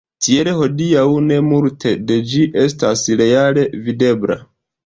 Tiel hodiaŭ ne multe de ĝi estas reale videbla.